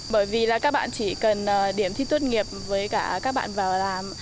bởi vì là các bạn chỉ cần điểm thi tốt nghiệp với cả các bạn vào làm